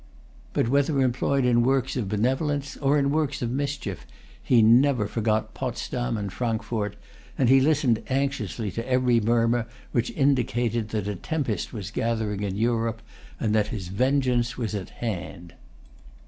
But whether employed in works of benevolence, or in works of mischief, he never forgot Potsdam and Frankfort; and he listened anxiously to every murmur which indicated that a tempest was gathering in Europe, and that his vengeance was at hand.